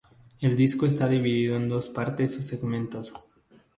El disco está dividido en dos partes o Segmentos.